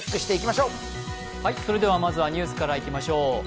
まずはニュースからいきましょう。